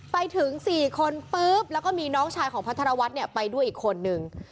ไปถึง๔คนปุ๊บแล้วก็มีน้องชายของพัทรวัฒน์ไปด้วยอีกคนนึง